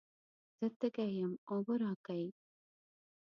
زه تږی یم، اوبه راکئ.